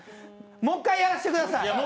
もっかいやらせてください。